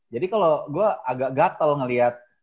jadi kalau gue agak gatel ngeliat